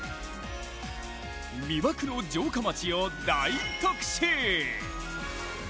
魅惑の城下町を大特集！